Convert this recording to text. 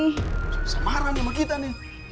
bisa marah sama kita nih